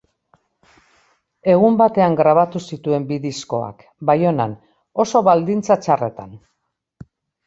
Egun batean grabatu zituen bi diskoak, Baionan, oso baldintza txarretan.